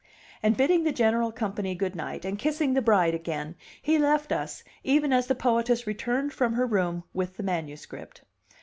And bidding the general company good night, and kissing the bride again, he left us even as the poetess returned from her room with the manuscript.